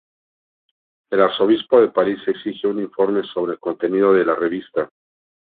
El arzobispo de París exige un informe sobre el contenido de la revista.